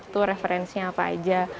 lihat tuh referensinya apa aja